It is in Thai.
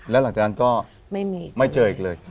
แล้วหลังจากนั้นก็ไม่เจออีกเลย